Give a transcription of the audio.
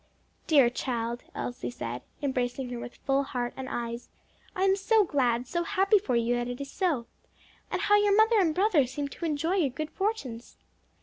"Dear child!" Elsie said, embracing her with full heart and eyes, "I am so glad, so happy for you that it is so! And how your mother and brother seem to enjoy your good fortunes!"